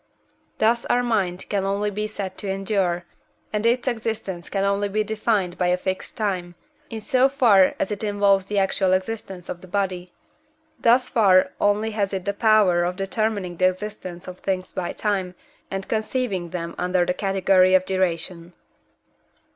Thus our mind can only be said to endure, and its existence can only be defined by a fixed time, in so far as it involves the actual existence of the body. Thus far only has it the power of determining the existence of things by time, and conceiving them under the category of duration.